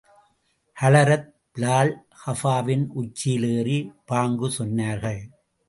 Hazrat Bilal கஃபாவின் உச்சியில் ஏறி, பாங்கு சொன்னார்கள்.